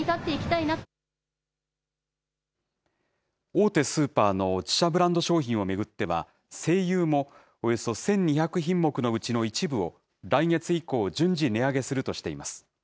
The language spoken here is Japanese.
大手スーパーの自社ブランド商品を巡っては、西友もおよそ１２００品目の一部を、来月以降、順次値上げするとしています。